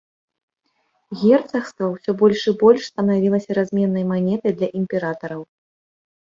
Герцагства ўсё больш і больш станавілася разменнай манетай для імператараў.